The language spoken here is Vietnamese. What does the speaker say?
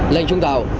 lên chung tàu